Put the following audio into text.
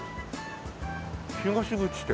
「東口店」。